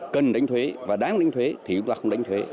cần đánh thuế và đáng đánh thuế thì chúng ta không đánh thuế